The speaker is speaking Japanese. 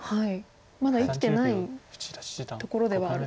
まだ生きてないところではあると。